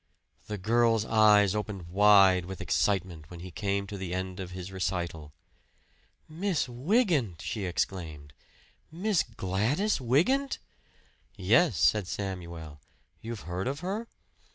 The girl's eyes opened wide with excitement when he came to the end of his recital. "Miss Wygant!" she exclaimed. "Miss Gladys Wygant?" "Yes," said Samuel. "You've heard of her?"